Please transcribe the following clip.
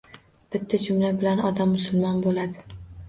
Bitta jumla bilan odam musulmon bo‘ladi